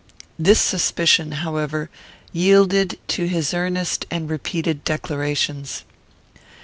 This suspicion, however, yielded to his earnest and repeated declarations.